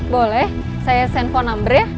boleh saya send phone number ya